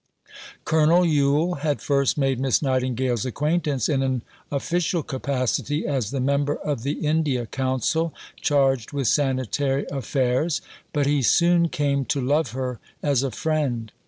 Colonel Yule had first made Miss Nightingale's acquaintance in an official capacity as the member of the India Council charged with sanitary affairs, but he soon came to love her as a friend.